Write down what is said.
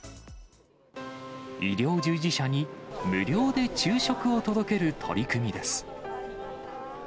医療従事者に無料で昼食を届ける取り組みです。